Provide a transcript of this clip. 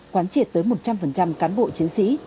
quán triệt tới một trăm linh cán bộ chiến sĩ